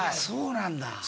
そうなんだ。